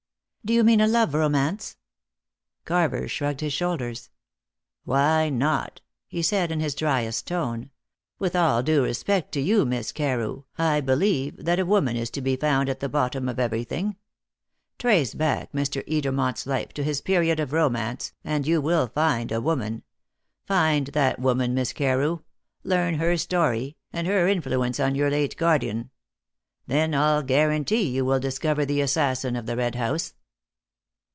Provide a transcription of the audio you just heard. "Do you mean a love romance?" Carver shrugged his shoulders. "Why not?" he said, in his dryest tone. "With all due respect to you, Miss Carew, I believe that a woman is to be found at the bottom of everything. Trace back Mr. Edermont's life to his period of romance, and you will find a woman. Find that woman, Miss Carew; learn her story, and her influence on your late guardian. Then I'll guarantee you will discover the assassin of the Red House."